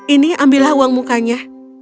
ini ambillah uang mukanya